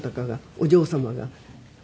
お嬢様が？